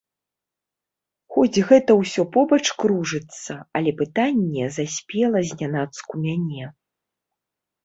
Хоць гэта ўсё побач кружыцца, але пытанне заспела знянацку мяне.